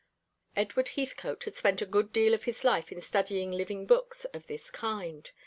Edward Heathcote had spent a good deal of his life in studying living books of this kind.